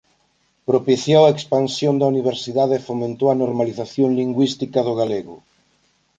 Propiciou a expansión da universidade e fomentou a normalización lingüística do galego.